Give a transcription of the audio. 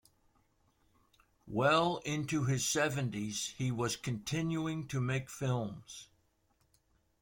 Well into his seventies, he was continuing to make films.